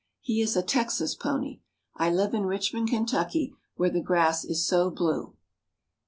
He is a Texas pony. I live in Richmond, Kentucky, where the grass is so blue.